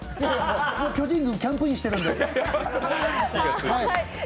もう巨人軍、キャンプインしてるんで。